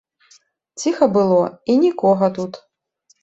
Ціха было, і нікога тут.